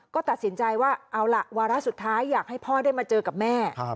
ก็ตัดสินใจว่าเอาล่ะวาระสุดท้ายอยากให้พ่อได้มาเจอกับแม่